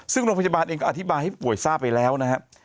ซึ่งโรงพยาบาลเองก็อธิบายให้ผู้ป่วยทราบไปแล้วนะครับ